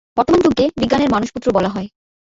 বর্তমান যুগকে বিজ্ঞানের মানসপুত্র বলা হয়।